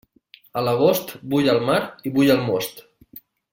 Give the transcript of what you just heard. A l'agost bull el mar i bull el most.